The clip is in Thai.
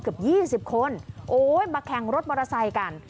เกือบ๒๐คนโอ้ยมาแข่งรถมอเตอร์ไซค์กัน